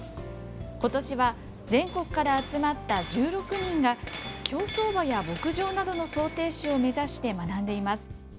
今年は全国から集まった１６人が競走馬や牧場などの装蹄師を目指して学んでいます。